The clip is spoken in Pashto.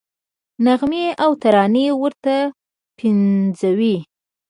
نغمې او ترانې ورته پنځوي.